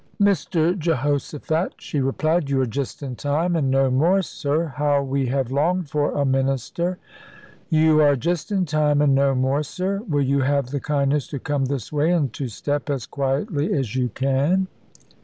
"Mr Jehoshaphat," she replied, "you are just in time, and no more, sir. How we have longed for a minister! You are just in time and no more, sir. Will you have the kindness to come this way, and to step as quietly as you can?"